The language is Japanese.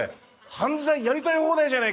犯罪やりたい放題じゃねえか！